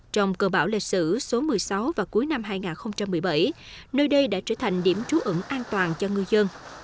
trong cơ bảo lịch sử số một mươi sáu vào cuối năm hai nghìn một mươi bảy nơi đây đã trở thành điểm trú ẩn an toàn cho ngư dân